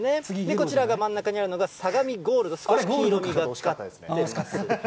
こちらが真ん中にあるのが、相模ゴールド、少し黄色みがかってる。